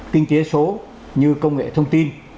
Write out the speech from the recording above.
kinh tế số như công nghệ thông tin